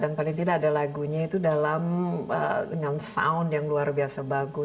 dan paling tidak ada lagunya itu dalam sound yang luar biasa bagus